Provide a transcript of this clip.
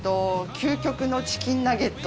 究極のチキンナゲット。